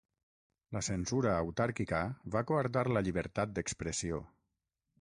La censura autàrquica va coartar la llibertat d'expressió.